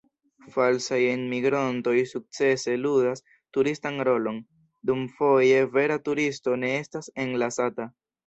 Falsaj enmigrontoj sukcese ludas turistan rolon, dum foje vera turisto ne estas enlasata.